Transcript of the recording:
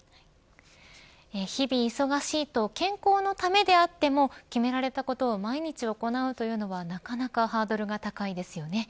日々忙しいと健康のためであっても決められたことを毎日行うというのはなかなかハードルが高いですよね。